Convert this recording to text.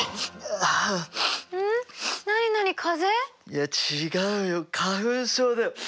いや違うよ花粉症だよ。